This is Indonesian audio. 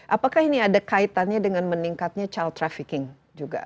apakah ini ada kaitannya dengan meningkatnya child trafficking juga